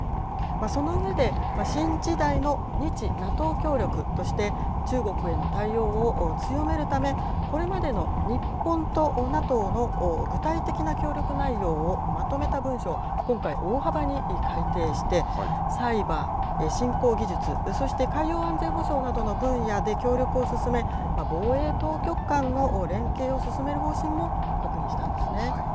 その上で、新時代の日ＮＡＴＯ協力として中国への対応を強めるため、これまでの日本とＮＡＴＯの具体的な協力内容をまとめた文書、今回、大幅に改訂して、サイバー、新興技術、そして海洋安全保障などの分野で協力を進め、防衛当局間の連携を進める方針も確認したんですね。